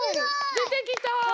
でてきた！